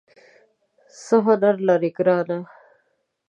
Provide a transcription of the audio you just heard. څه هنر لرې ګرانه ؟